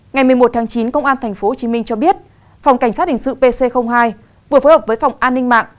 ngày một mươi một tháng chín công an tp hcm cho biết phòng cảnh sát hình sự pc hai vừa phối hợp với phòng an ninh mạng